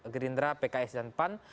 gerindra pks dan pan